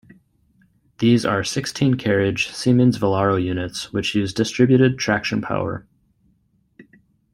These are sixteen-carriage Siemens Velaro units which use distributed traction power.